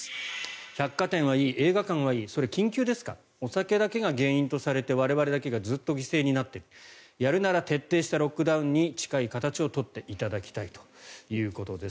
百貨店はいい、映画館はいいそれ、緊急ですかお酒だけが原因とされ我々だけがずっと犠牲になっているやるなら徹底したロックダウンに近い形を取っていただきたいということです。